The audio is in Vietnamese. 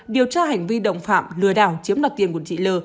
điều tra hành vi đồng phạm lừa đảo chiếm đoạt tiền của chị l